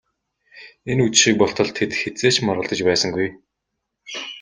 Энэ үдшийг болтол тэд хэзээ ч маргалдаж байсангүй.